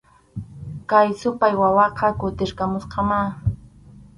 Kay supay wawaqa kutirqamusqamá